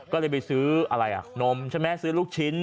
ก็เลยไปซื้ออะไรอ่ะนมใช่ไหมซื้อลูกชิ้น